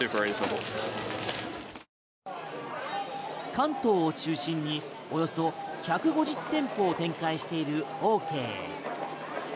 関東を中心におよそ１５０店舗を展開しているオーケー。